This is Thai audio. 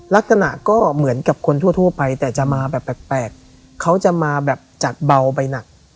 ลักษณะก็เหมือนกับคนทั่วไปแต่จะมาแบบแปลกเขาจะมาแบบจัดเบาไปหนัก